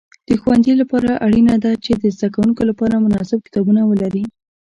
د ښوونځي لپاره اړینه ده چې د زده کوونکو لپاره مناسب کتابونه ولري.